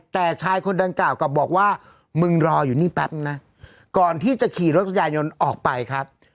แต่ชายคนดังกล่าวกลับบอกว่ามึงรออยู่นี่แป๊บนะก่อนที่จะขี่รถจักรยานยนต์ออกไปครับ